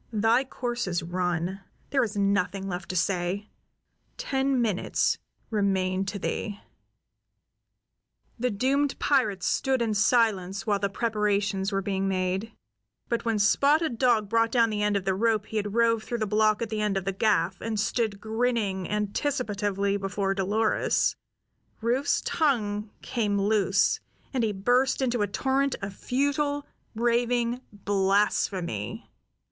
Thy course is run. There is nothing left to say. Ten minutes remain to thee." The doomed pirate stood in silence while the preparations were being made; but when Spotted Dog brought down the end of the rope he had rove through the block at the end of the gaff, and stood grinning anticipatively before Dolores, Rufe's tongue came loose, and he burst into a torrent of futile, raving blasphemy.